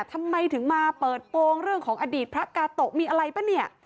ทำไมถึงมาเปิดโปรงเรื่องของอดีตพระกาโตะมีอะไรป่ะเนี่ย